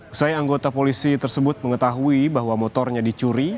usai anggota polisi tersebut mengetahui bahwa motornya dicuri